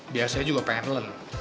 biasanya juga pengen len